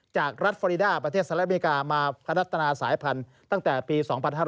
จากรัฐฟอริดาประเทศสหรัฐอเมริกามาพัฒนาสายพันธุ์ตั้งแต่ปี๒๕๕๙